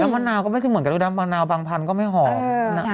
มันก็คือเหมือนกับมะนาวบางพันธุ์ก็ไม่หอม